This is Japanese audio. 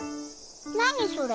何それ？